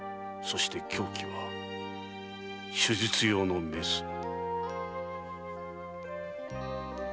そして凶器は手術用のメス